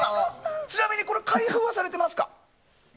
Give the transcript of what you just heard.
ちなみに開封はされていますか？